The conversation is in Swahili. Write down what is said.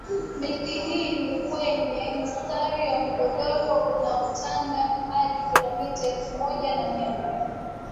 Milki hii ni kwenye mstari wa migogoro unaotanda hadi kilomita elfu moja na mia moja